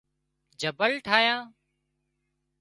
جبل ٺاهيان